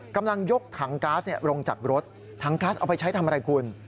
กำลังยกถังก๊าซลงจากรถถังก๊าซเอาไปใช้ทำอะไรคุณ